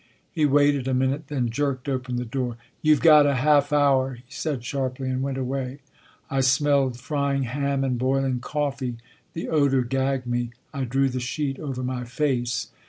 He waited a minute, then jerked open the door. " You ve got a half hour," he said sharply, and went away. I smelled frying ham and boiling coffee. The odor gagged me. I drew the sheet over my face.